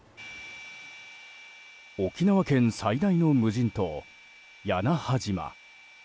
沖縄県最大の無人島屋那覇島。